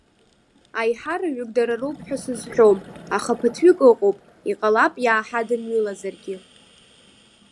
Аиҳараҩык дара роуп ҳәа сызҳәом, аха ԥыҭҩык ыҟоуп, иҟалап иааҳадымҩылозаргьы.